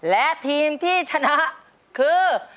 และทีมที่ชนะคือ